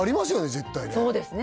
絶対ね